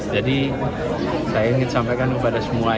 jadi saya ingin sampaikan kepada semuanya